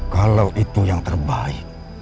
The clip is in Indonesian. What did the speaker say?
kalau itu yang terbaik